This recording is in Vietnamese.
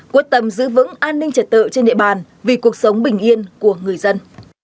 quyết tâm giữ vững an ninh trật tự trên địa bàn vì cuộc sống bình yên của người dân